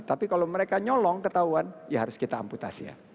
tapi kalau mereka nyolong ketahuan ya harus kita amputasi ya